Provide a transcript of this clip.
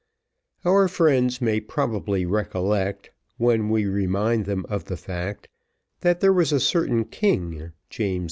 Our friends may probably recollect, when we remind them of the fact, that there was a certain king, James II.